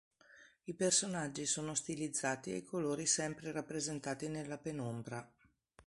I personaggi sono stilizzati e i colori sempre rappresentati nella penombra.